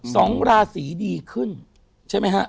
สองราศีดีขึ้นใช่ไหมฮะ